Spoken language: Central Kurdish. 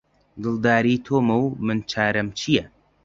دڵداری تۆمە و من چارەم چیە؟